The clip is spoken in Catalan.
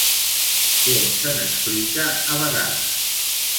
Què se n'explica, a vegades?